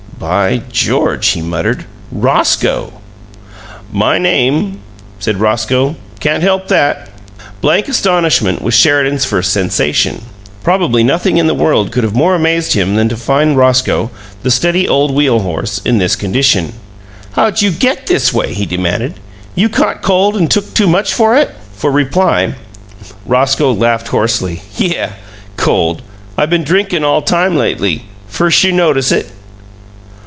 "By George!" he muttered. "ROSCOE!" "My name," said Roscoe. "Can' help that." "ROSCOE!" Blank astonishment was Sheridan's first sensation. Probably nothing in the world could have more amazed his than to find Roscoe the steady old wheel horse in this condition. "How'd you GET this way?" he demanded. "You caught cold and took too much for it?" For reply Roscoe laughed hoarsely. "Yeuh! Cold! I been drinkun all time, lately. Firs' you notice it?"